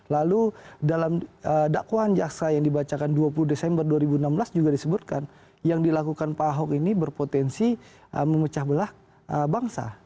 lalu dalam dakwaan jaksa yang dibacakan dua puluh desember dua ribu enam belas juga disebutkan yang dilakukan pak ahok ini berpotensi memecah belah bangsa